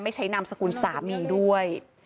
ใช้นามสกุลสามีด้วย